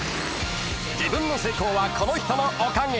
［自分の成功はこの人のおかげ］